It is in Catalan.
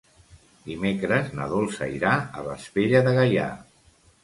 Dimecres na Dolça irà a Vespella de Gaià.